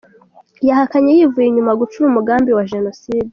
Yahakanye yivuye inyuma gucura umugambi wa jenoside.